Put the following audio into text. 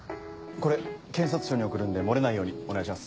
これ検察庁に送るんで漏れないようにお願いします。